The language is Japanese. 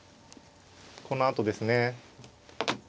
このあとですね。